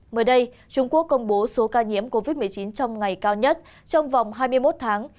mới đây trung quốc công bố số ca nhiễm covid một mươi chín trong ngày cao nhất trong vòng hai mươi một tháng